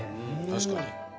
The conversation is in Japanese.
確かに。